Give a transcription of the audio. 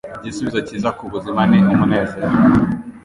Igisubizo cyiza ku buzima ni umunezero.”